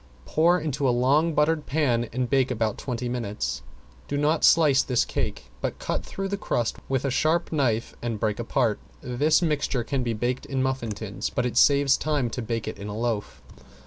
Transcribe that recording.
Pour into a long buttered pan and bake about twenty minutes. Do not slice this cake, but cut through the crust with a sharp knife and break apart. This mixture can be baked in muffin tins, but it saves time to bake it in a loaf.